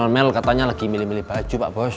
mel katanya lagi milih milih baju pak bos